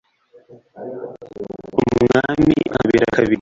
umwami angabira kabiri